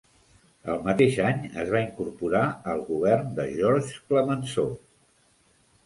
El mateix any es va incorporar al govern de Georges Clemenceau.